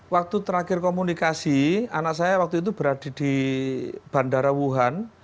waktu terakhir komunikasi anak saya waktu itu berada di bandara wuhan